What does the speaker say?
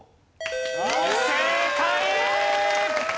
正解！